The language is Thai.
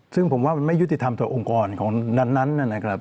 ซึ่งผมว่ามันไม่ยุติธรรมต่อองค์กรของนั้นนะครับ